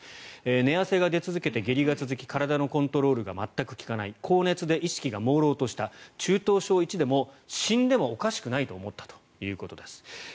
寝汗が出続けて、下痢が続き体のコントロールが全く利かない高熱で意識がもうろうとした中等症１でも死んでもおかしくないと思ったということです。